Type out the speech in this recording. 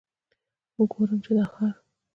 وګورم چې دا ښار.